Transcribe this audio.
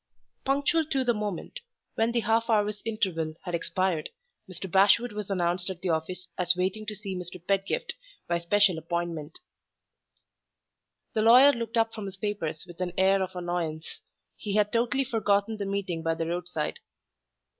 Punctual to the moment, when the half hour's interval had expired, Mr. Bashwood was announced at the office as waiting to see Mr. Pedgift by special appointment. The lawyer looked up from his papers with an air of annoyance: he had totally forgotten the meeting by the roadside.